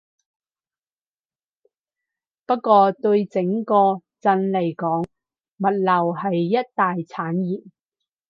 不過對整個鎮嚟講，物流係一大產業